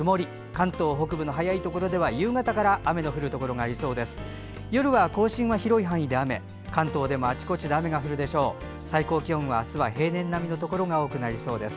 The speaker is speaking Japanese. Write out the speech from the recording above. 関東北部の早いところでは夕方から雨の降るところがありそうです。